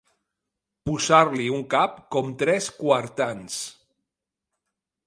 Posar-li un cap com tres quartans.